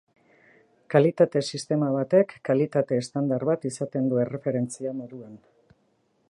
Kalitate-sistema batek kalitate-estandar bat izaten du erreferentzia moduan.